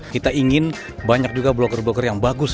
kita ingin banyak juga blokir blogger yang bagus